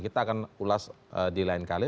kita akan ulas di lain kali